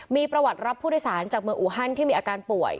มีประวัติรับผู้โดยสารจากเมืองอูฮันที่มีอาการป่วย